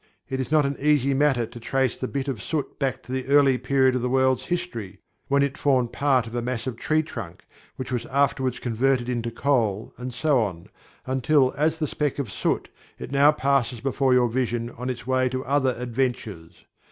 It is not an easy matter to trace the bit of soot hack to the early period of the world's history when it formed a part of a massive tree trunk, which was afterward converted into coal, and so on, until as the speck of soot it now passes before your vision on its way to other adventures.